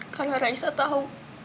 kalau raisa tahu